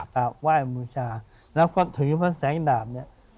และถึงพระแสงดาภเนี่ย